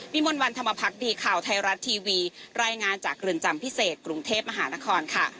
มนต์วันธรรมพักดีข่าวไทยรัฐทีวีรายงานจากเรือนจำพิเศษกรุงเทพมหานครค่ะ